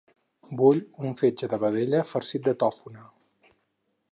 Vull un fetge de vedella farcit de tòfona.